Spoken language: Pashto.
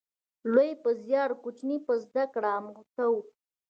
لوی په زیار، کوچنی په زده کړه اموخته و